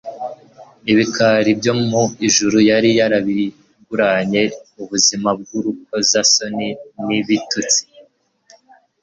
Ibikari byo mu ijuru yari yarabiguranye ubuzima bw'urukoza soni n'ibitutsi